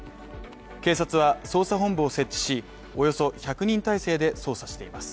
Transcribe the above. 警察は捜査本部を設置し、およそ１００人態勢で捜査しています。